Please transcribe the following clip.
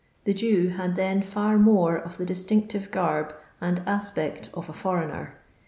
The Jew then had fiir more of the distinctive garb and aspect of a foreigner.